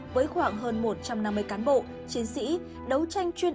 với khoảng hơn một trăm năm mươi cán bộ chiến sĩ đấu tranh chuyên án hai nghìn hai mươi một b